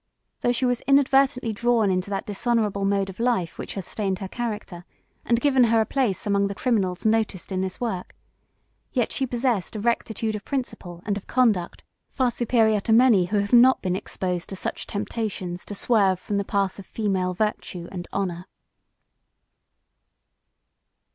Though she was inadvertently drawn into that dishonorable mode of life which has stained her character, and given her a place among the criminals noticed in this work, yet she possessed a rectitude of principle and of conduct, far superior to many who have not been exposed to such temptations to swerve from the path of female virtue and honor.